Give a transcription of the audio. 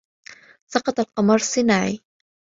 سقط القمر الصناعي